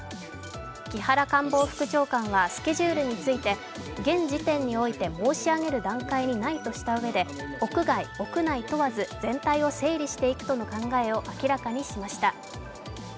木原官房副長官はスケジュールについて現時点において申し上げる段階にないとしたうえで屋外・屋内問わず全体を整理していくとの考えを明らかにしました。